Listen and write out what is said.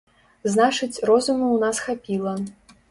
Значыць, розуму ў нас хапіла.